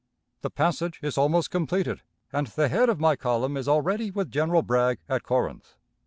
The passage is almost completed, and the head of my column is already with General Bragg at Corinth.